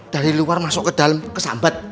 dari luar masuk ke dalam kesambat